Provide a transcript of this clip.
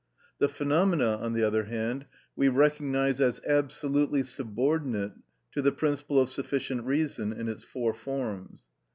The phenomena, on the other hand, we recognise as absolutely subordinate to the principle of sufficient reason in its four forms.